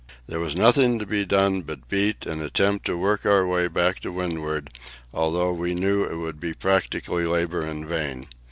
There was nothing to be done but to beat and attempt to work our way back to windward, although we knew it would be practically labour in vain.